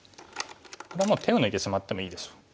これは手を抜いてしまってもいいでしょう。